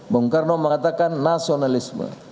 bung karno mengatakan nasionalisme